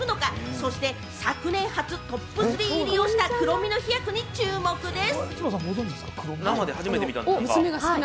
そして、昨年初トップ３入りをしたクロミの飛躍に注目です。